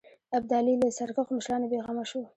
ابدالي له سرکښو مشرانو بېغمه شو.